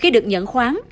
khi được nhận khoáng